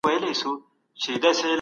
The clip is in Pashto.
روښانه فکر ستړیا نه خپروي.